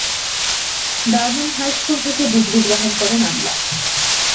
Durban high school থেকে degree গ্রহণ করেন আমলা।